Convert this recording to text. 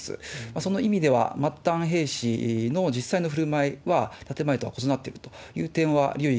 その意味では、末端兵士の実際の振る舞いは建前とは異なっているという点は留意